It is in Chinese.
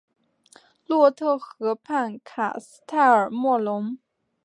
洛特河畔卡斯泰尔莫龙。